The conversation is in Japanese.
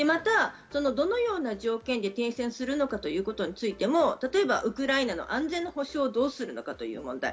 どのような条件で停戦をするのかということについても例えばウクライナの安全の保障をどうするのかという問題。